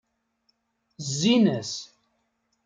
Zzin-as.